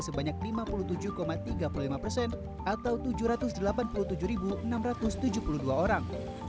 sebanyak lima puluh tujuh tiga puluh lima persen atau tujuh ratus delapan puluh tujuh enam ratus tujuh puluh dua orang